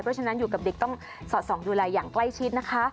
เพราะฉะนั้นอยู่กับเด็กต้องสอดส่องดูแลอย่างใกล้ชิดนะคะ